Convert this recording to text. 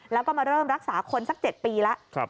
แล้วก็มาเริ่มรักษาคนสัก๗ปีแล้ว